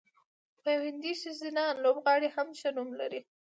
یوه هندۍ ښځینه لوبغاړې هم ښه نوم لري.